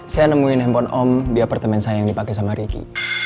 saya nemuin handphone om di apartemen saya yang dipakai sama ricky